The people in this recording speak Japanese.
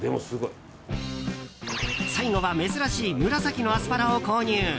最後は珍しい紫のアスパラを購入。